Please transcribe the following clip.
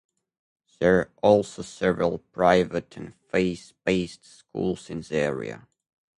There are also several private and faith-based schools in the area.